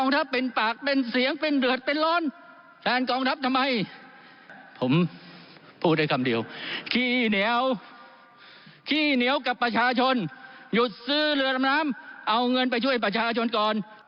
ที่เหนียวกับประชาชนหยุดซื้อเรือดำน้ำเอาเงินไปช่วยประชาชนก่อน